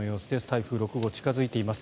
台風６号、近付いています。